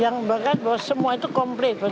yang bahkan bahwa semua itu komplit pak